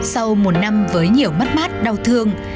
sau một năm với nhiều mắt mát đau thương